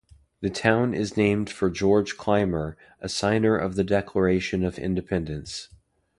The town is named for George Clymer, a signer of the Declaration of Independence.